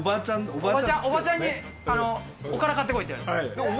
おばちゃんに「おから買ってこい」って言われてた。